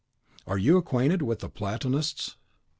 Are you acquainted with the Platonists?"